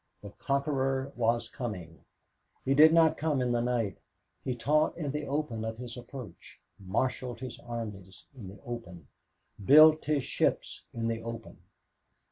The conqueror was coming. He did not come in the night. He taught in the open of his approach marshaled his armies in the open built his ships in the open.